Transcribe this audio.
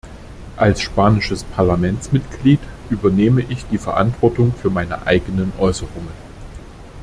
Als spanisches Parlamentsmitglied übernehme ich die Verantwortung für meine eigenen Äußerungen.